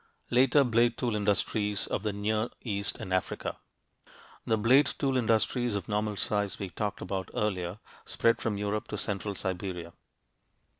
LATER BLADE TOOL INDUSTRIES OF THE NEAR EAST AND AFRICA The blade tool industries of normal size we talked about earlier spread from Europe to central Siberia.